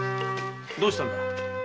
どうしたんだ。